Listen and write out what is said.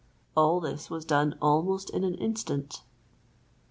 All this was done almost in an instant.